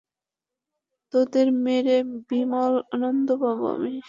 তোদের মেরে বিমল আনন্দ পাবো আমি!